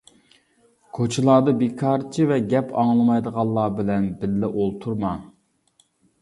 كوچىلاردا بىكارچى ۋە گەپ ئاڭلىمايدىغانلار بىلەن بىللە ئولتۇرما.